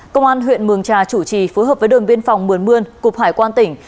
công an huyện mường trà chủ trì phối hợp với đồn biên phòng mường mươn cục hải quan tỉnh